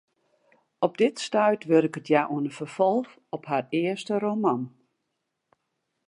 Op dit stuit wurket hja oan in ferfolch op har earste roman.